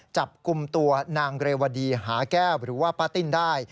จับกลุ่มตัวนางเรวดีหาแก้วหรือว่าป้าติ้นได้